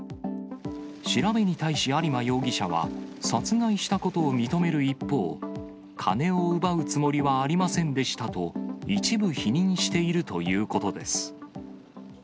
調べに対し、有馬容疑者は、殺害したことを認める一方、金を奪うつもりはありませんでしたと、一部否認しているということです。